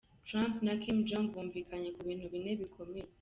Trump na Kim Jong bumvikanye ku bintu bine bikomeye.